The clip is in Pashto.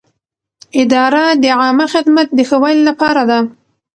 اداره د عامه خدمت د ښه والي لپاره ده.